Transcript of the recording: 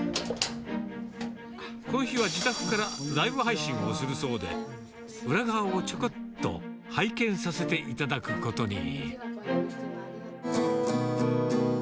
この日は自宅からライブ配信をするそうで、裏側をちょこっと拝見させていただくことに。